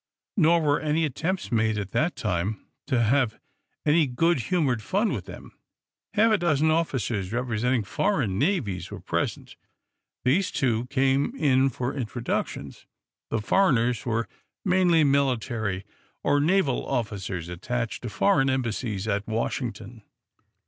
Nor were any attempts made, at that time, to have any good humored fun with them. Half a dozen officers representing foreign navies were present. These, too, came in for introductions. The foreigners were, mainly, military or naval officers attached to foreign embassies at Washington.